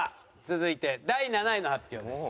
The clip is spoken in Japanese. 続いて第７位の発表です。